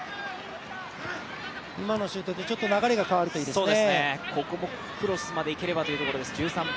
今のシュートでちょっと流れが変わるといいですね。